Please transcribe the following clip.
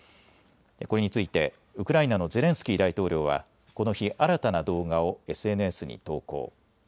これについてウクライナのゼレンスキー大統領はこの日、新たな動画をＳＮＳに投稿。